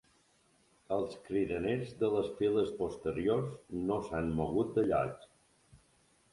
Els cridaners de les files posteriors no s'han mogut de lloc.